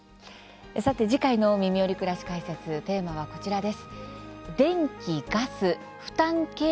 さて、次回の「みみより！くらし解説」テーマはこちらです。